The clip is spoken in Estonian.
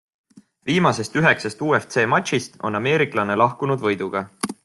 Viimasest üheksast UFC matšist on ameeriklane lahkunud võiduga.